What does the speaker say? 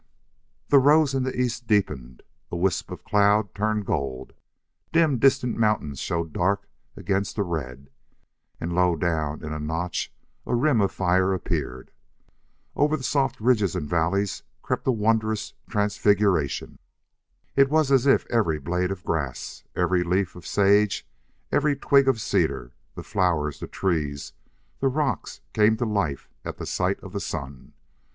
The rose in the east deepened; a wisp of cloud turned gold; dim distant mountains showed dark against the red; and low down in a notch a rim of fire appeared. Over the soft ridges and valleys crept a wondrous transfiguration. It was as if every blade of grass, every leaf of sage, every twig of cedar, the flowers, the trees, the rocks came to life at sight of the sun.